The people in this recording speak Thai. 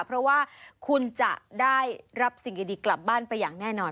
เพราะว่าคุณจะได้รับสิ่งดีกลับบ้านไปอย่างแน่นอน